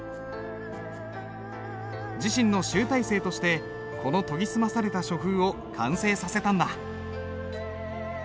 自身の集大成としてこの研ぎ澄まされた書風を完成させたんだ。